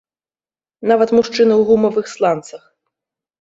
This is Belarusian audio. Нават мужчыны ў гумавых сланцах!